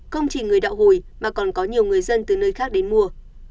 không chỉ người đạo hồi mà còn có nhiều người dân từ nơi khác đến mua